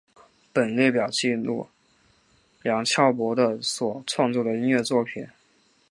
本列表记录梁翘柏的所创作的音乐作品